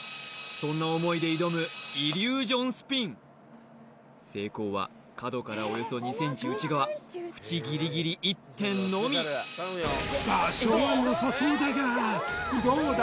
そんな思いで挑むイリュージョンスピン成功は角からおよそ２ｃｍ内側縁ギリギリ一点のみ場所は良さそうだがどうだ？